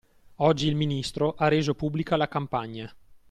Oggi il Ministro ha reso pubblica la campagna